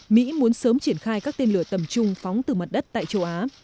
mỹ muốn sớm triển khai các tên lửa tầm trung phóng từ mặt đất tại châu á